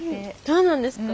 そうなんですか。